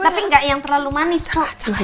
tapi nggak yang terlalu manis kok